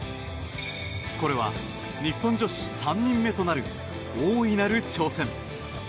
これは、日本女子３人目となる大いなる挑戦。